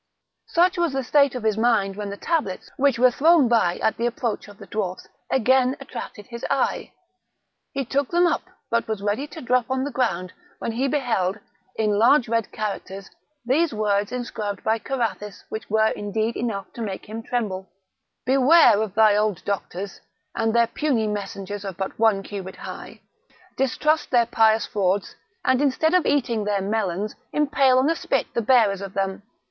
Such was the state of his mind when the tablets, which were thrown by at the approach of the dwarfs, again attracted his eye; he took them up, but was ready to drop on the ground when he beheld, in large red characters, these words inscribed by Carathis, which were indeed enough to make him tremble: "Beware of thy old doctors, and their puny messengers of but one cubit high; distrust their pious frauds, and, instead of eating their melons, impale on a spit the bearers of them.